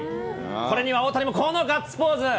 これには大谷もこのガッツポーズ。